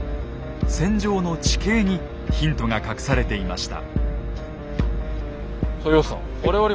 戦場の地形にヒントが隠されていました。